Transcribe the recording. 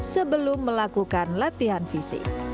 sebelum melakukan latihan fisik